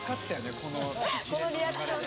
このリアクションで。